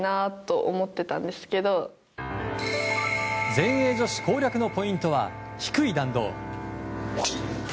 全英女子攻略のポイントは低い弾道。